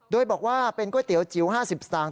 โดยบอกว่าเป็นก๋วยเตี๋ยวจิ๋ว๕๐สตางค